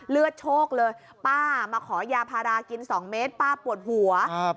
โชคเลยป้ามาขอยาพารากิน๒เมตรป้าปวดหัวครับ